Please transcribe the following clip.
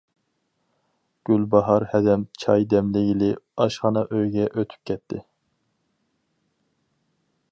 گۈلباھار ھەدەم چاي دەملىگىلى ئاشخانا ئۆيىگە ئۆتۈپ كەتتى.